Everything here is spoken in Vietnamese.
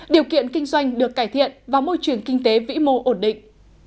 điều kiện kinh doanh được cải thiện và môi trường kinh tế vĩ mô ổn định